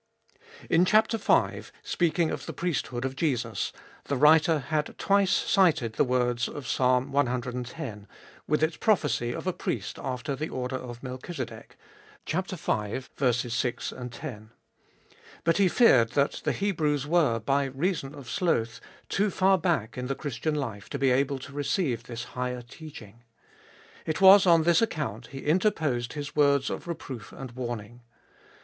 IN chap, v., speaking of the priesthood of Jesus, the writer had twice cited the words of Psalm ex., with its prophecy of a Priest after the order of Melchizedek (v. 6, 10). But he feared that the Hebrews were, by reason of sloth, too far back in the Christian life to be able to receive this higher teaching. It was on this account he interposed his words of reproof and warning.